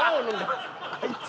あいつ！